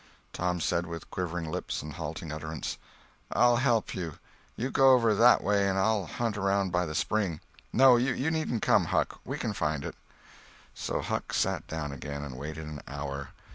Tom said, with quivering lips and halting utterance: "I'll help you. You go over that way and I'll hunt around by the spring. No, you needn't come, Huck—we can find it." So Huck sat down again, and waited an hour.